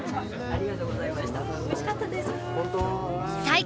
ありがとうございます。